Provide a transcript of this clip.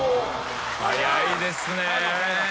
早いですね。